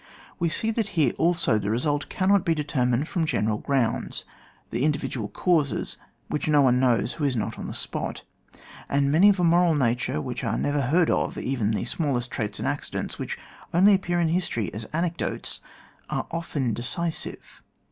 We see that here, also, the result can not be determined from general grounds ; the individual causes, which no one knows who is not on the spot, and many of a moral nature which are never heard of, even the smallest traits and accidents, which only appear in history as anec dotes, are often decisive.